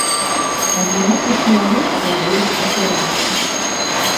Адзінокі чалавек паволі азіраўся.